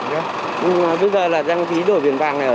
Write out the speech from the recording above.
nhưng bây giờ là đăng ký đổi biển vàng này